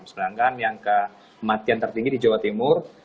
sedangkan yang kematian tertinggi di jawa timur